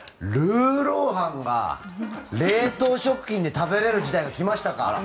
ルーロー飯が冷凍食品で食べられる時代が来ましたか。